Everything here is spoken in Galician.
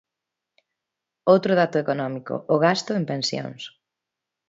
Outro dato económico: o gasto en pensións.